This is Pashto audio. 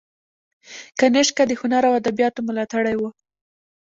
کنیشکا د هنر او ادبیاتو ملاتړی و